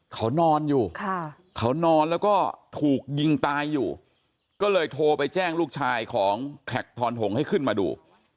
เขานอนอยู่เขานอนแล้วก็ถูกยิงตายอยู่ก็เลยโทรไปแจ้งลูกชายของแขกทอนหงให้ขึ้นมาดู